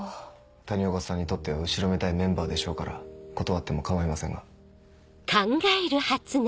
谷岡さんにとっては後ろめたいメンバーでしょうから断っても構いませんが。